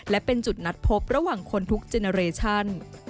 และเป็นจุดนัดพบระหว่างคนทุกเจเนอเรชั่น